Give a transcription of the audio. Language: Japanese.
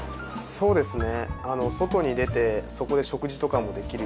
そうですね。